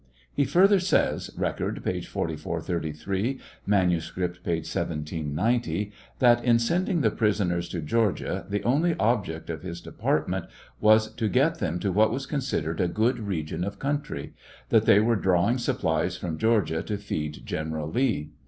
He further says, (Record, p. 4433; manuscript, p. 1790,; that in sending the prisoners to Georgia the only object of his department was to get them to what was considered a good region of country ; that they were drawing supplies from Georgia to feed General Lee.